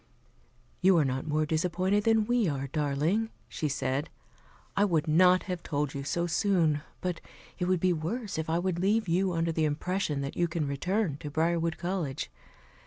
"You are not more disappointed than we are, darling," she said. "I would not have told you so soon, but it would be worse if I would leave you under the impression that you can return to Briarwood College.